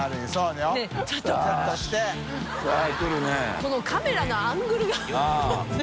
このカメラのアングルが